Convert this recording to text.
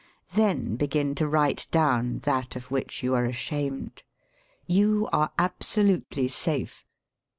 Then begin to write down that of which you are ashamed. You are absolutely safe.